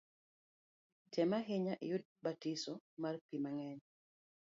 Tem ahinya iyud batiso mar pi mang’eny